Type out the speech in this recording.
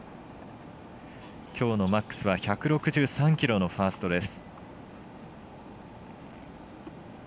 きょうのマックスは１６３キロのファーストです。